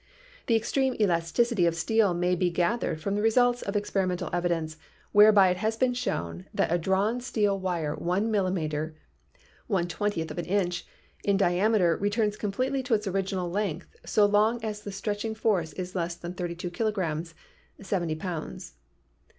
The extreme elasticity of steel may be gathered from the results of experimental evidence, whereby it has been shown that a drawn steel wire one millimeter (?V inch) in diameter returns completely to its original length so long as the stretching force is less than 32 kilograms (70 pounds).